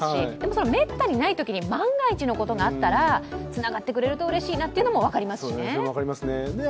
そのめったにないときに万が一のことがあったらつながってくれるとうれしいなというのも分かりますしね。